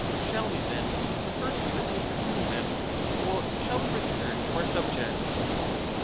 Shall we, then, prefer determining between them, or shall we return to our sub ject